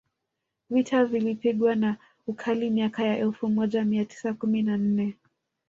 Vita ilipigwa kwa ukali miaka ya elfu moja mia tisa kumi na nne